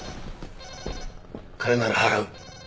金なら払う。